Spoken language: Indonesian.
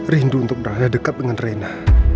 rindu untuk berada dekat dengan reyna